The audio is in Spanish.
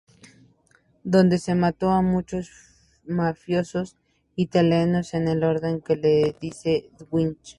Dónde se mata a muchos mafiosos italianos en el orden que le dice Dwight.